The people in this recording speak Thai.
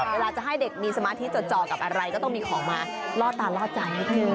เวลาจะให้เด็กมีสมาธิจดจอกับอะไรก็ต้องมีของมาล่อตาล่อใจนิดนึง